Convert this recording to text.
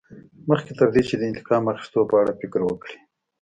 مخکې تر دې چې د انتقام اخیستلو په اړه فکر وکړې.